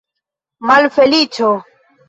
Malfeliĉo!